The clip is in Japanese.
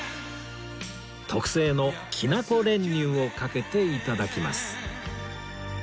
特製のきなこ練乳をかけて頂きます